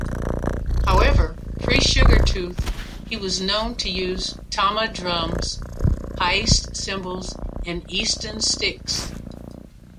However pre-Sugartooth he was known to use Tama drums, Paiste cymbals and Easton sticks.